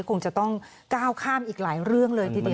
คงจะต้องก้าวข้ามอีกหลายเรื่องเลยทีเดียว